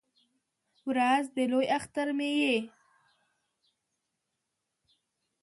ورځ د لوی اختر مې یې